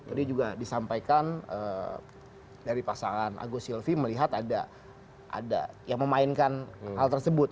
jadi juga disampaikan dari pasangan agus silvi melihat ada yang memainkan hal tersebut